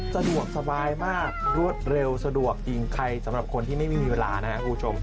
สะดวกสบายมากรวดเร็วสะดวกจริงใครสำหรับคนที่ไม่มีเวลานะครับคุณผู้ชม